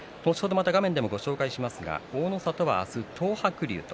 また画面でも紹介しますが大の里は明日、東白龍と。